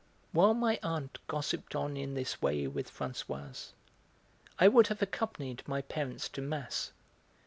While my aunt gossiped on in this way with Françoise I would have accompanied my parents to mass.